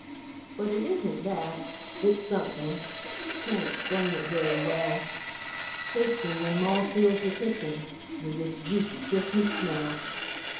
But it isn't that, it's something Can't explain it very well Takes me when ma fills the kitchen With this juicy Christmas smell.